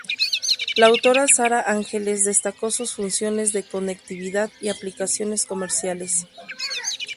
La autora Sara Angeles destacó sus funciones de conectividad y aplicaciones comerciales.